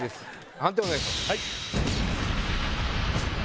判定お願いします。